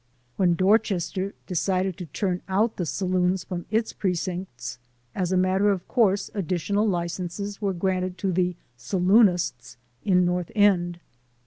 When Dorchester decided to turn out the saloons from its precincts, as a matter of course, additional licenses were granted to the "saloonists" in North End.